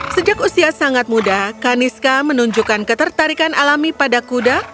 sejak usia sangat muda kaniska menunjukkan ketertarikan alami pada kuda